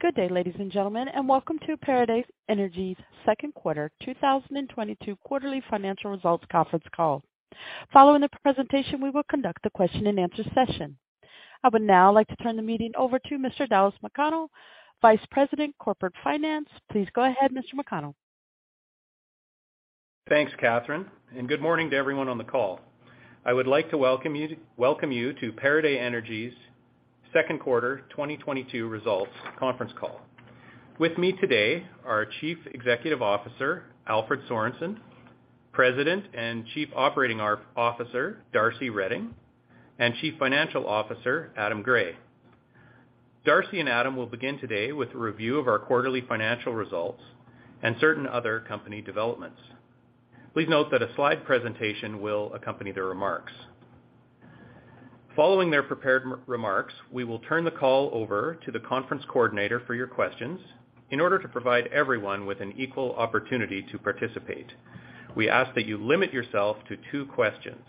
Good day, ladies and gentlemen, and welcome to Pieridae Energy's Second Quarter 2022 Quarterly Financial Results Conference Call. Following the presentation, we will conduct a question-and-answer session. I would now like to turn the meeting over to Mr. Dallas McConnell, Vice President, Corporate Finance. Please go ahead, Mr. McConnell. Thanks, Catherine, and good morning to everyone on the call. I would like to welcome you to Pieridae Energy's Second Quarter 2022 Results Conference Call. With me today are Chief Executive Officer Alfred Sorensen, President and Chief Operating Officer Darcy Reding, and Chief Financial Officer Adam Gray. Darcy and Adam will begin today with a review of our quarterly financial results and certain other company developments. Please note that a slide presentation will accompany their remarks. Following their prepared remarks, we will turn the call over to the conference coordinator for your questions in order to provide everyone with an equal opportunity to participate. We ask that you limit yourself to two questions.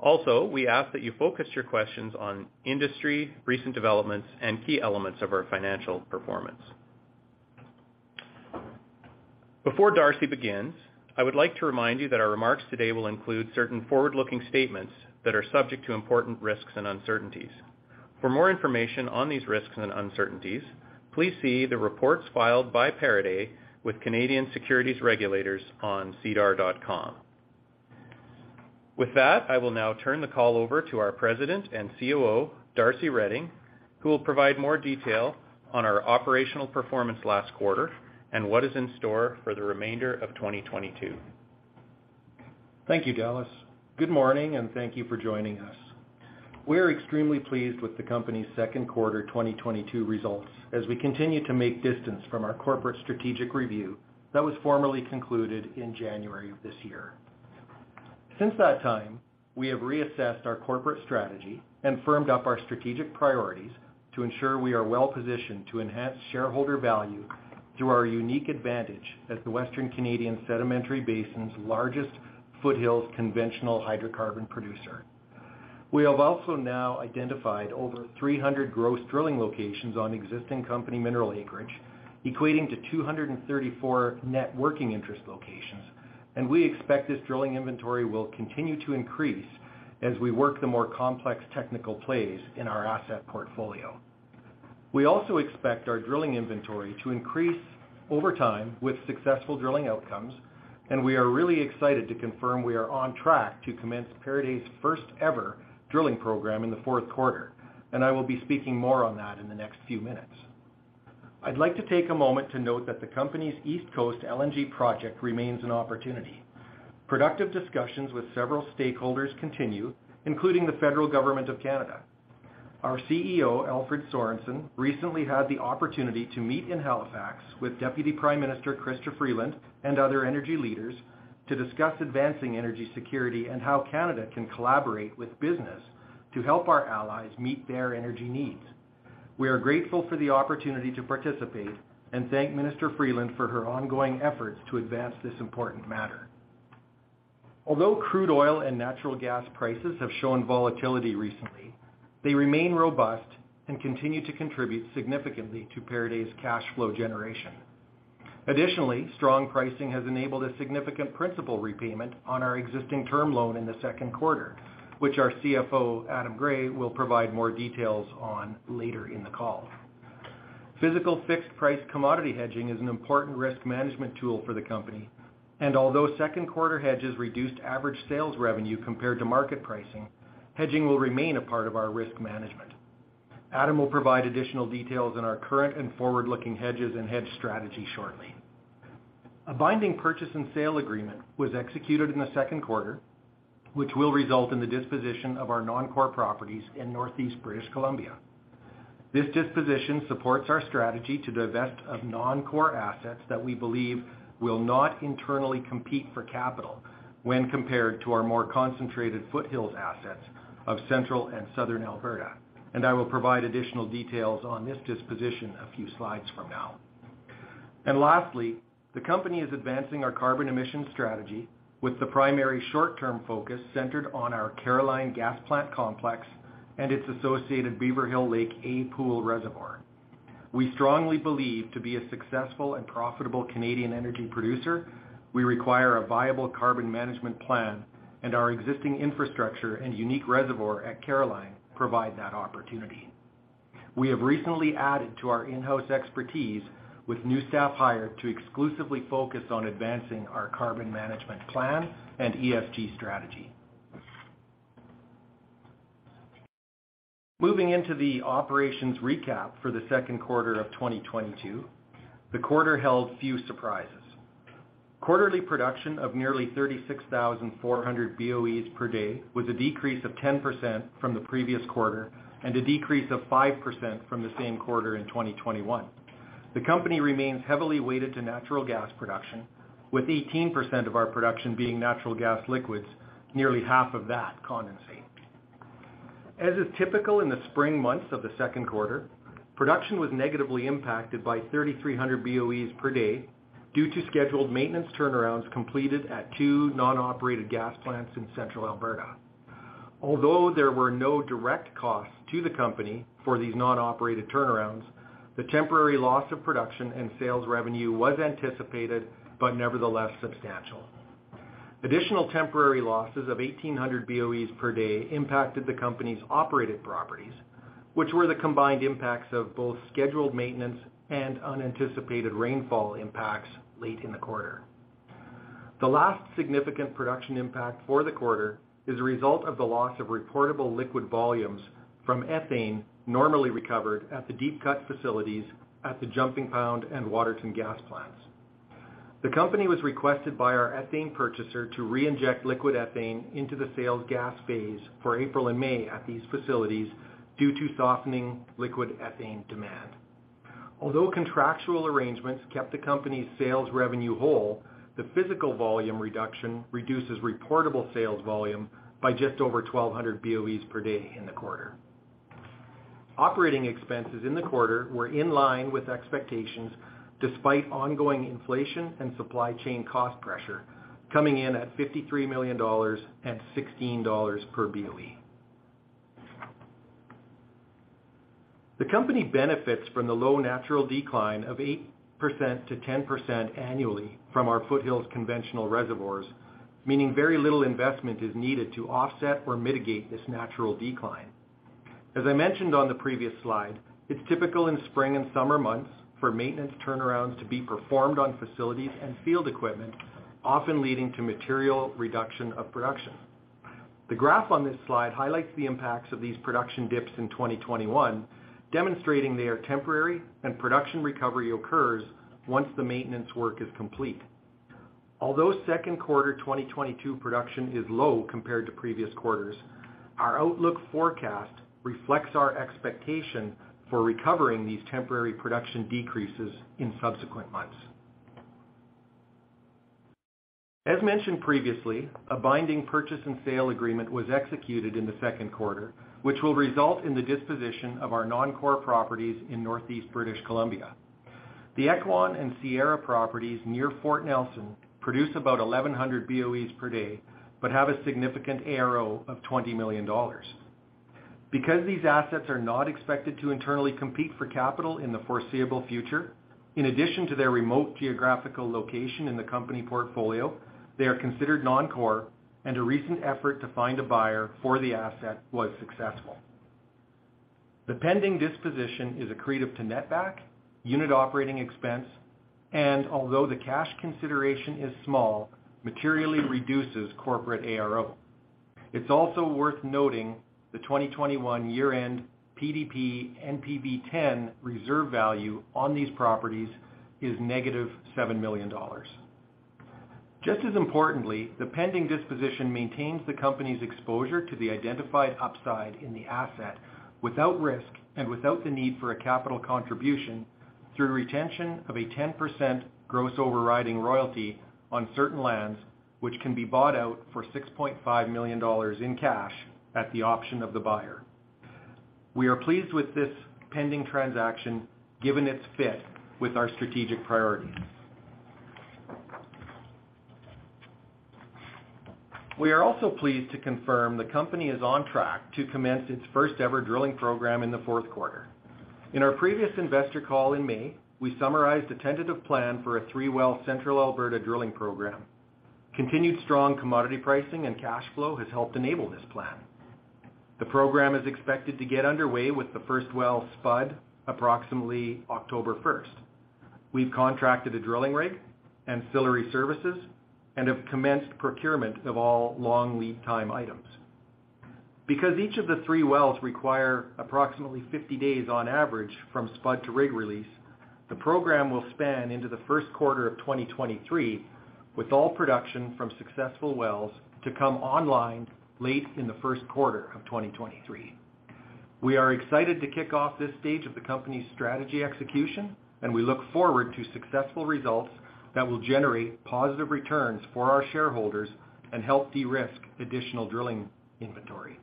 Also, we ask that you focus your questions on industry, recent developments, and key elements of our financial performance. Before Darcy begins, I would like to remind you that our remarks today will include certain forward-looking statements that are subject to important risks and uncertainties. For more information on these risks and uncertainties, please see the reports filed by Pieridae with Canadian Securities Administrators on SEDAR.com. With that, I will now turn the call over to our President and COO, Darcy Reding, who will provide more detail on our operational performance last quarter and what is in store for the remainder of 2022. Thank you, Dallas. Good morning, and thank you for joining us. We are extremely pleased with the company's second quarter 2022 results as we continue to make distance from our corporate strategic review that was formally concluded in January of this year. Since that time, we have reassessed our corporate strategy and firmed up our strategic priorities to ensure we are well-positioned to enhance shareholder value through our unique advantage as the Western Canadian sedimentary basin's largest Foothills conventional hydrocarbon producer. We have also now identified over 300 gross drilling locations on existing company mineral acreage, equating to 234 net working interest locations. We expect this drilling inventory will continue to increase as we work the more complex technical plays in our asset portfolio. We also expect our drilling inventory to increase over time with successful drilling outcomes, and we are really excited to confirm we are on track to commence Pieridae first ever drilling program in the fourth quarter, and I will be speaking more on that in the next few minutes. I'd like to take a moment to note that the company's East Coast LNG project remains an opportunity. Productive discussions with several stakeholders continue, including the federal government of Canada. Our CEO, Alfred Sorensen, recently had the opportunity to meet in Halifax with Deputy Prime Minister Chrystia Freeland and other energy leaders to discuss advancing energy security and how Canada can collaborate with business to help our allies meet their energy needs. We are grateful for the opportunity to participate and thank Minister Freeland for her ongoing efforts to advance this important matter. Although crude oil and natural gas prices have shown volatility recently, they remain robust and continue to contribute significantly to Pieridae's cash flow generation. Additionally, strong pricing has enabled a significant principal repayment on our existing term loan in the second quarter, which our CFO, Adam Gray, will provide more details on later in the call. Physical fixed-price commodity hedging is an important risk management tool for the company, and although second-quarter hedges reduced average sales revenue compared to market pricing, hedging will remain a part of our risk management. Adam will provide additional details on our current and forward-looking hedges and hedge strategy shortly. A binding purchase and sale agreement was executed in the second quarter, which will result in the disposition of our non-core properties in Northeast British Columbia. This disposition supports our strategy to divest of non-core assets that we believe will not internally compete for capital when compared to our more concentrated Foothills assets of Central and Southern Alberta, and I will provide additional details on this disposition a few slides from now. Lastly, the company is advancing our carbon emission strategy with the primary short-term focus centered on our Caroline Gas Plant Complex and its associated Beaverhill Lake A Pool Reservoir. We strongly believe to be a successful and profitable Canadian energy producer, we require a viable carbon management plan, and our existing infrastructure and unique reservoir at Caroline provide that opportunity. We have recently added to our in-house expertise with new staff hired to exclusively focus on advancing our carbon management plan and ESG strategy. Moving into the operations recap for the second quarter of 2022, the quarter held few surprises. Quarterly production of nearly 36,400 BOEs per day was a decrease of 10% from the previous quarter and a decrease of 5% from the same quarter in 2021. The company remains heavily weighted to natural gas production, with 18% of our production being natural gas liquids, nearly half of that condensate. As is typical in the spring months of the second quarter, production was negatively impacted by 3,300 BOEs per day due to scheduled maintenance turnarounds completed at two non-operated gas plants in Central Alberta. Although there were no direct costs to the company for these non-operated turnarounds, the temporary loss of production and sales revenue was anticipated, but nevertheless substantial. Additional temporary losses of 1,800 BOEs per day impacted the company's operated properties, which were the combined impacts of both scheduled maintenance and unanticipated rainfall impacts late in the quarter. The last significant production impact for the quarter is a result of the loss of reportable liquid volumes from ethane normally recovered at the deep cut facilities at the Jumping Pound and Waterton gas plants. The company was requested by our ethane purchaser to reinject liquid ethane into the sales gas phase for April and May at these facilities due to softening liquid ethane demand. Although contractual arrangements kept the company's sales revenue whole, the physical volume reduction reduces reportable sales volume by just over 1,200 BOEs per day in the quarter. Operating expenses in the quarter were in line with expectations despite ongoing inflation and supply chain cost pressure coming in at 53 million dollars and 16 dollars per BOE. The company benefits from the low natural decline of 8%-10% annually from our Foothills conventional reservoirs, meaning very little investment is needed to offset or mitigate this natural decline. As I mentioned on the previous slide, it's typical in spring and summer months for maintenance turnarounds to be performed on facilities and field equipment, often leading to material reduction of production. The graph on this slide highlights the impacts of these production dips in 2021, demonstrating they are temporary and production recovery occurs once the maintenance work is complete. Although second quarter 2022 production is low compared to previous quarters, our outlook forecast reflects our expectation for recovering these temporary production decreases in subsequent months. As mentioned previously, a binding purchase and sale agreement was executed in the second quarter, which will result in the disposition of our non-core properties in Northeast British Columbia. The Ekwan and Sierra properties near Fort Nelson produce about 1,100 BOEs per day, but have a significant ARO of 20 million dollars. Because these assets are not expected to internally compete for capital in the foreseeable future, in addition to their remote geographical location in the company portfolio, they are considered non-core, and a recent effort to find a buyer for the asset was successful. The pending disposition is accretive to netback, unit operating expense, and although the cash consideration is small, materially reduces corporate ARO. It's also worth noting the 2021 year-end PDP NPV10 reserve value on these properties is -7 million dollars. Just as importantly, the pending disposition maintains the company's exposure to the identified upside in the asset without risk and without the need for a capital contribution through retention of a 10% gross overriding royalty on certain lands, which can be bought out for 6.5 million dollars in cash at the option of the buyer. We are pleased with this pending transaction given its fit with our strategic priorities. We are also pleased to confirm the company is on track to commence its first ever drilling program in the fourth quarter. In our previous investor call in May, we summarized a tentative plan for a three-well Central Alberta drilling program. Continued strong commodity pricing and cash flow has helped enable this plan. The program is expected to get underway with the first well spud approximately October first. We've contracted a drilling rig, ancillary services, and have commenced procurement of all long lead time items. Because each of the three wells require approximately 50 days on average from spud to rig release, the program will span into the first quarter of 2023, with all production from successful wells to come online late in the first quarter of 2023. We are excited to kick off this stage of the company's strategy execution, and we look forward to successful results that will generate positive returns for our shareholders and help de-risk additional drilling inventory.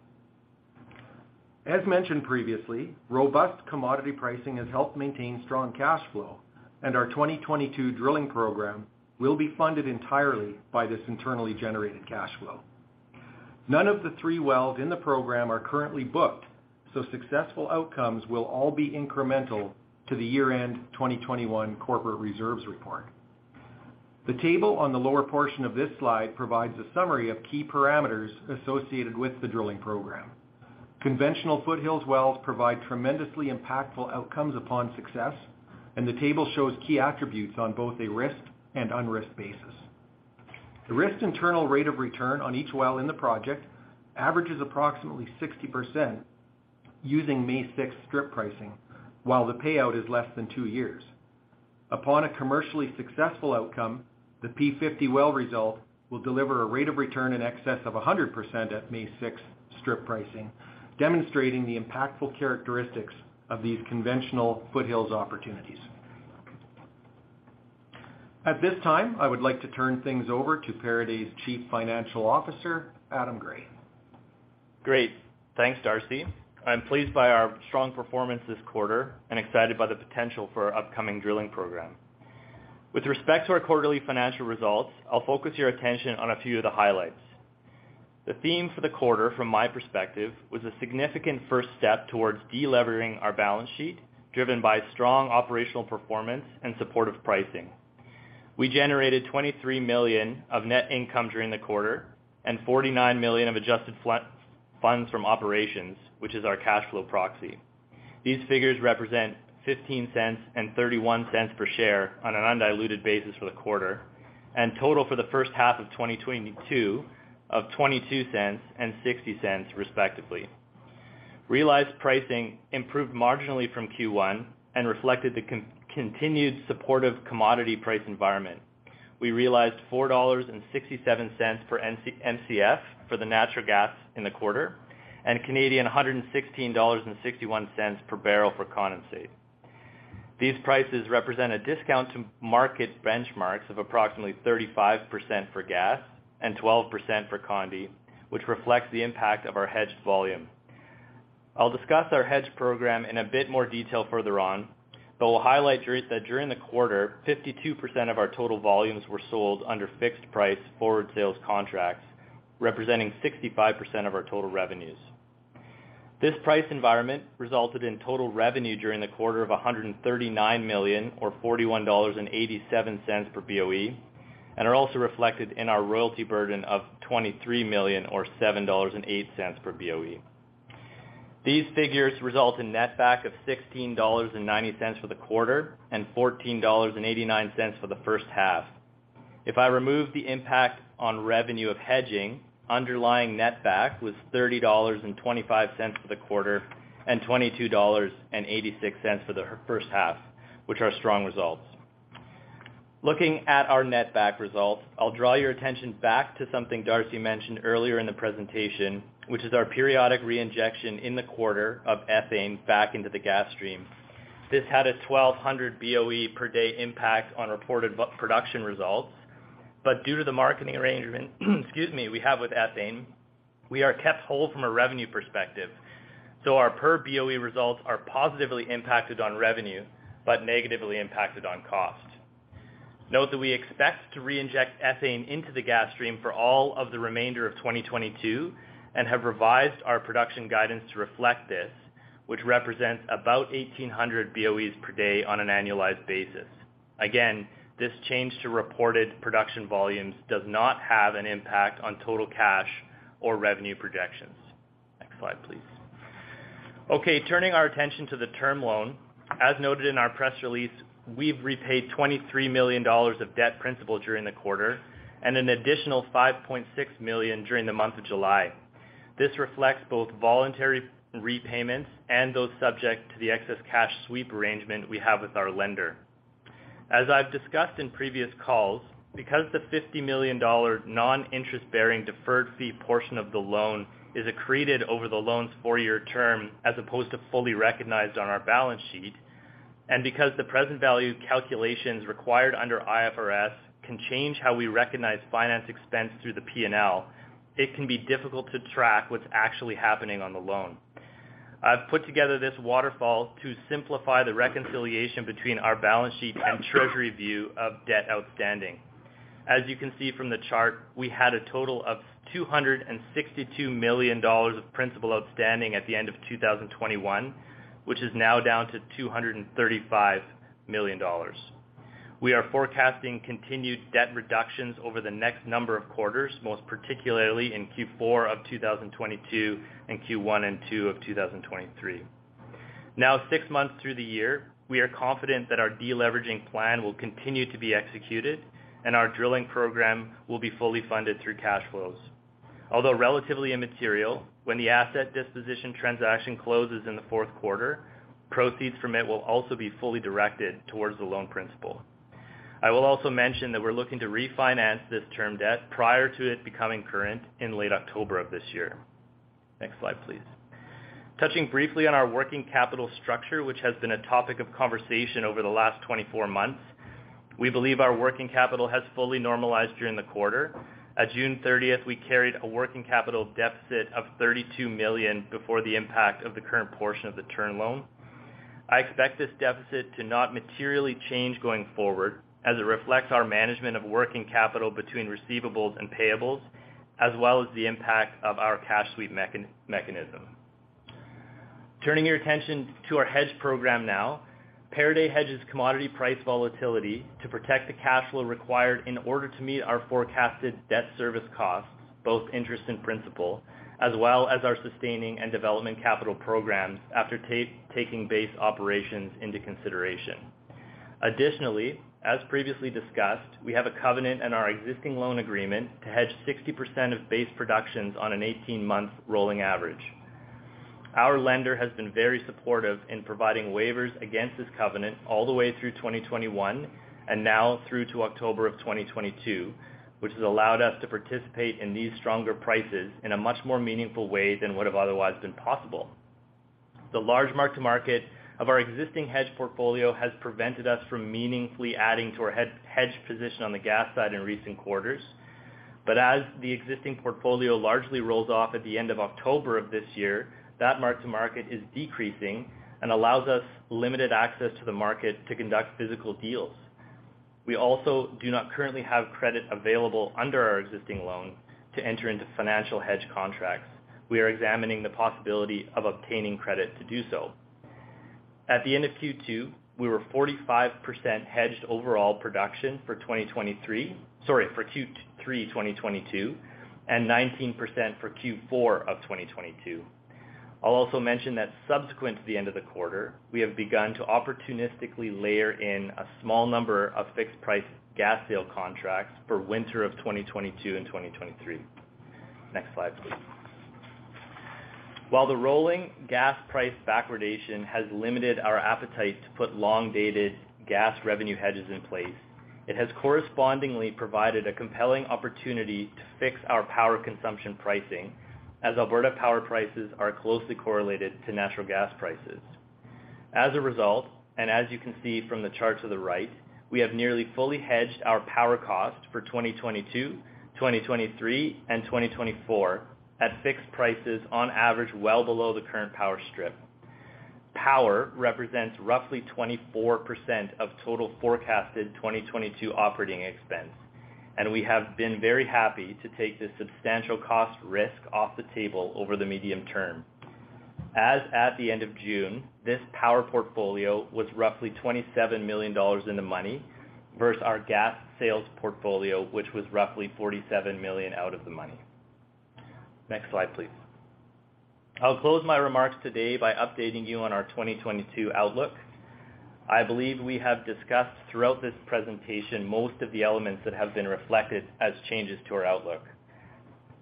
As mentioned previously, robust commodity pricing has helped maintain strong cash flow, and our 2022 drilling program will be funded entirely by this internally generated cash flow. None of the three wells in the program are currently booked, so successful outcomes will all be incremental to the year-end 2021 corporate reserves report. The table on the lower portion of this slide provides a summary of key parameters associated with the drilling program. Conventional Foothills wells provide tremendously impactful outcomes upon success, and the table shows key attributes on both a risked and unrisked basis. The risked internal rate of return on each well in the project averages approximately 60% using May 6 strip pricing, while the payout is less than two years. Upon a commercially successful outcome, the P50 well result will deliver a rate of return in excess of 100% at May 6 strip pricing, demonstrating the impactful characteristics of these conventional Foothills opportunities. At this time, I would like to turn things over to Pieridae Energy's Chief Financial Officer, Adam Gray. Great. Thanks, Darcy. I'm pleased by our strong performance this quarter and excited by the potential for our upcoming drilling program. With respect to our quarterly financial results, I'll focus your attention on a few of the highlights. The theme for the quarter, from my perspective, was a significant first step towards de-leveraging our balance sheet, driven by strong operational performance and supportive pricing. We generated 23 million of net income during the quarter and 49 million of adjusted funds from operations, which is our cash flow proxy. These figures represent 0.15 and 0.31 per share on an undiluted basis for the quarter, and total for the first half of 2022 of 0.22 and 0.60, respectively. Realized pricing improved marginally from Q1 and reflected the continued supportive commodity price environment. We realized 4.67 dollars per Mcf for the natural gas in the quarter and 116.61 Canadian dollars per barrel for condensate. These prices represent a discount to market benchmarks of approximately 35% for gas and 12% for condensate, which reflects the impact of our hedged volume. I'll discuss our hedge program in a bit more detail further on, but will highlight during the quarter, 52% of our total volumes were sold under fixed price forward sales contracts, representing 65% of our total revenues. This price environment resulted in total revenue during the quarter of 139 million or 41.87 dollars per BOE, and are also reflected in our royalty burden of 23 million or 7.08 dollars per BOE. These figures result in netback of 16.90 dollars for the quarter and 14.89 dollars for the first half. If I remove the impact on revenue of hedging, underlying netback was 30.25 dollars for the quarter and 22.86 dollars for the first half, which are strong results. Looking at our netback results, I'll draw your attention back to something Darcy mentioned earlier in the presentation, which is our periodic reinjection in the quarter of ethane back into the gas stream. This had a 1,200 BOE per day impact on reported production results, but due to the marketing arrangement, excuse me, we have with ethane, we are kept whole from a revenue perspective, so our per BOE results are positively impacted on revenue but negatively impacted on cost. Note that we expect to reinject ethane into the gas stream for all of the remainder of 2022 and have revised our production guidance to reflect this, which represents about 1,800 BOEs per day on an annualized basis. Again, this change to reported production volumes does not have an impact on total cash or revenue projections. Next slide, please. Okay, turning our attention to the term loan. As noted in our press release, we've repaid 23 million dollars of debt principal during the quarter and an additional 5.6 million during the month of July. This reflects both voluntary repayments and those subject to the excess cash sweep arrangement we have with our lender. As I've discussed in previous calls, because the 50 million dollar non-interest bearing deferred fee portion of the loan is accreted over the loan's four-year term as opposed to fully recognized on our balance sheet, and because the present value calculations required under IFRS can change how we recognize finance expense through the P&L, it can be difficult to track what's actually happening on the loan. I've put together this waterfall to simplify the reconciliation between our balance sheet and treasury view of debt outstanding. As you can see from the chart, we had a total of 262 million dollars of principal outstanding at the end of 2021, which is now down to 235 million dollars. We are forecasting continued debt reductions over the next number of quarters, most particularly in Q4 of 2022 and Q1 and Q2 of 2023. Now, six months through the year, we are confident that our de-leveraging plan will continue to be executed and our drilling program will be fully funded through cash flows. Although relatively immaterial, when the asset disposition transaction closes in the fourth quarter, proceeds from it will also be fully directed towards the loan principal. I will also mention that we're looking to refinance this term debt prior to it becoming current in late October of this year. Next slide, please. Touching briefly on our working capital structure, which has been a topic of conversation over the last 24 months. We believe our working capital has fully normalized during the quarter. At June 30, we carried a working capital deficit of 32 million before the impact of the current portion of the term loan. I expect this deficit to not materially change going forward as it reflects our management of working capital between receivables and payables, as well as the impact of our cash sweep mechanism. Turning your attention to our hedge program now. We hedge commodity price volatility to protect the cash flow required in order to meet our forecasted debt service costs, both interest and principal, as well as our sustaining and development capital programs after taking base operations into consideration. Additionally, as previously discussed, we have a covenant in our existing loan agreement to hedge 60% of base productions on an 18-month rolling average. Our lender has been very supportive in providing waivers against this covenant all the way through 2021 and now through to October of 2022, which has allowed us to participate in these stronger prices in a much more meaningful way than would have otherwise been possible. The large mark to market of our existing hedge portfolio has prevented us from meaningfully adding to our hedge position on the gas side in recent quarters. As the existing portfolio largely rolls off at the end of October of this year, that mark-to-market is decreasing and allows us limited access to the market to conduct physical deals. We also do not currently have credit available under our existing loan to enter into financial hedge contracts. We are examining the possibility of obtaining credit to do so. At the end of Q2, we were 45% hedged overall production for 2023... Sorry, for Q3 2022, and 19% for Q4 2022. I'll also mention that subsequent to the end of the quarter, we have begun to opportunistically layer in a small number of fixed-price gas sale contracts for winter of 2022 and 2023. Next slide, please. While the rolling gas price backwardation has limited our appetite to put long-dated gas revenue hedges in place, it has correspondingly provided a compelling opportunity to fix our power consumption pricing, as Alberta power prices are closely correlated to natural gas prices. As a result, and as you can see from the chart to the right, we have nearly fully hedged our power cost for 2022, 2023, and 2024 at fixed prices on average well below the current power strip. Power represents roughly 24% of total forecasted 2022 operating expense, and we have been very happy to take this substantial cost risk off the table over the medium term. As at the end of June, this power portfolio was roughly 27 million dollars in the money versus our gas sales portfolio, which was roughly 47 million out of the money. Next slide, please. I'll close my remarks today by updating you on our 2022 outlook. I believe we have discussed throughout this presentation most of the elements that have been reflected as changes to our outlook.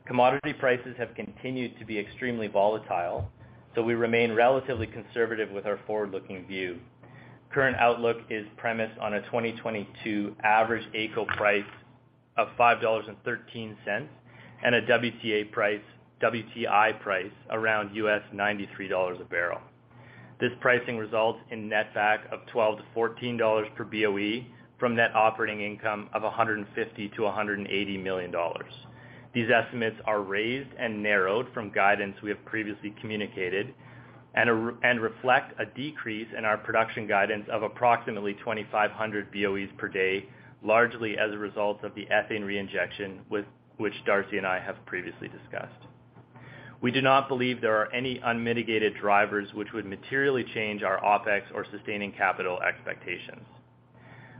Commodity prices have continued to be extremely volatile, so we remain relatively conservative with our forward-looking view. Current outlook is premised on a 2022 average AECO price of 5.13 dollars, and a WTI price around $93 a barrel. This pricing results in netback of 12-14 dollars per BOE from net operating income of 150 million-180 million dollars. These estimates are raised and narrowed from guidance we have previously communicated and reflect a decrease in our production guidance of approximately 2,500 BOEs per day, largely as a result of the ethane reinjection which Darcy and I have previously discussed. We do not believe there are any unmitigated drivers which would materially change our OpEx or sustaining capital expectations.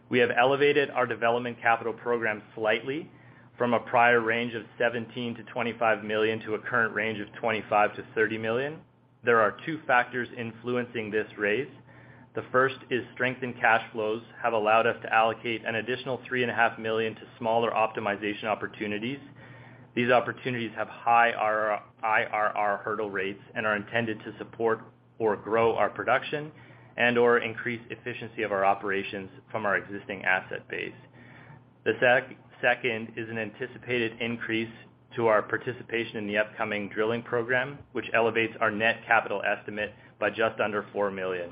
We have elevated our development capital program slightly from a prior range of 17 million-25 million to a current range of 25 million-30 million. There are two factors influencing this raise. The first is strengthened cash flows have allowed us to allocate an additional 3.5 million to smaller optimization opportunities. These opportunities have high IRR hurdle rates and are intended to support or grow our production and/or increase efficiency of our operations from our existing asset base. The second is an anticipated increase to our participation in the upcoming drilling program, which elevates our net capital estimate by just under 4 million.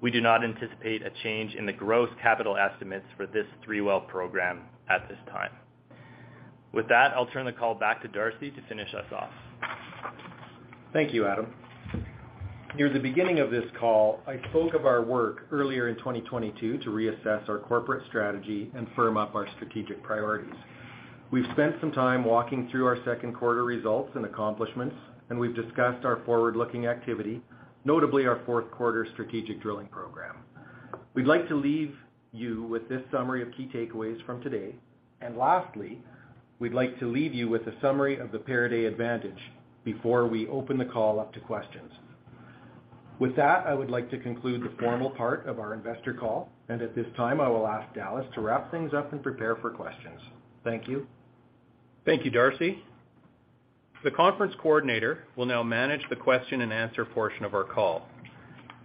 We do not anticipate a change in the growth capital estimates for this three-well program at this time. With that, I'll turn the call back to Darcy to finish us off. Thank you, Adam. Near the beginning of this call, I spoke of our work earlier in 2022 to reassess our corporate strategy and firm up our strategic priorities. We've spent some time walking through our second quarter results and accomplishments, and we've discussed our forward-looking activity, notably our fourth quarter strategic drilling program. We'd like to leave you with this summary of key takeaways from today. Lastly, we'd like to leave you with a summary of the Pieridae advantage before we open the call up to questions. With that, I would like to conclude the formal part of our investor call, and at this time I will ask Dallas to wrap things up and prepare for questions. Thank you. Thank you, Darcy. The conference coordinator will now manage the question-and-answer portion of our call.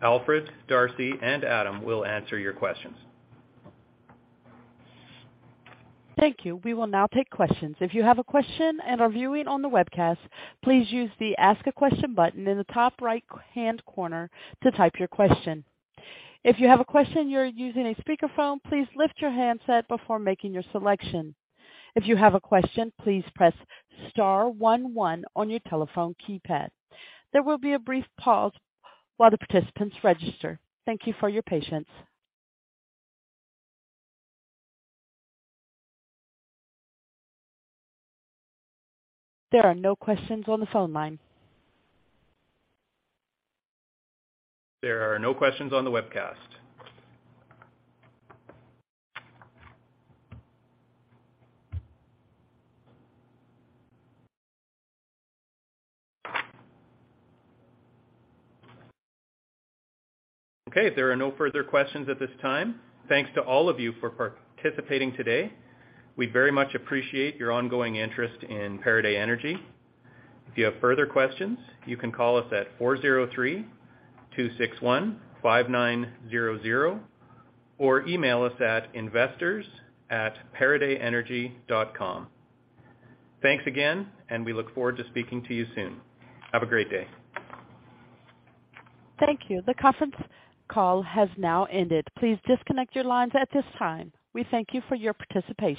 Alfred, Darcy, and Adam will answer your questions. Thank you. We will now take questions. If you have a question and are viewing on the webcast, please use the Ask a Question button in the top right-hand corner to type your question. If you have a question, and you're using a speakerphone, please lift your handset before making your selection. If you have a question, please press star one one on your telephone keypad. There will be a brief pause while the participants register. Thank you for your patience. There are no questions on the phone line. There are no questions on the webcast. Okay, there are no further questions at this time. Thanks to all of you for participating today. We very much appreciate your ongoing interest in Pieridae Energy. If you have further questions, you can call us at 403-261-5900 or email us at investors@pieridaeenergy.com. Thanks again, and we look forward to speaking to you soon. Have a great day. Thank you. The conference call has now ended. Please disconnect your lines at this time. We thank you for your participation.